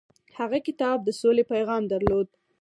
هغه کتاب د سولې پیغام درلود.